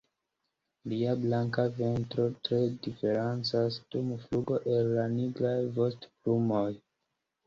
Lia blanka ventro tre diferencas dum flugo el la nigraj vostoplumoj.